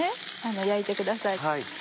焼いてください。